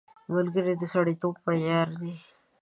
ملګری د سړیتوب معیار دی